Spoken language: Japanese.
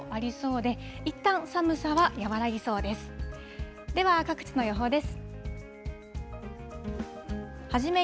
では、各地の予報です。